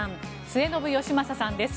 末延吉正さんです